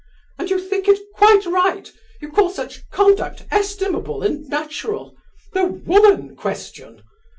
And you think it quite right? You call such conduct estimable and natural? The 'woman question'?